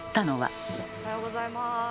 おはようございます。